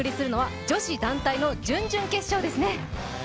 今夜お送りするのは女子団体の準々決勝です。